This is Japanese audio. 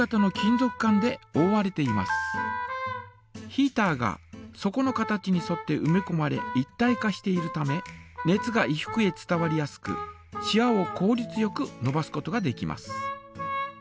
ヒータが底の形にそってうめこまれ一体化しているため熱が衣服へ伝わりやすくしわをこうりつよくのばすことができます。